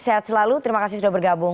sehat selalu terima kasih sudah bergabung